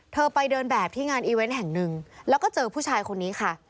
ไปเดินแบบที่งานอีเวนต์แห่งหนึ่งแล้วก็เจอผู้ชายคนนี้ค่ะ